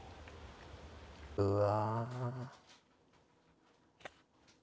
うわ。